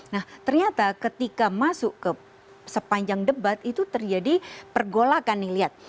nah ternyata ketika masuk ke sepanjang debat itu terjadi pergolakan nih lihat